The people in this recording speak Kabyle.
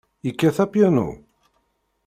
Yekkat apyanu?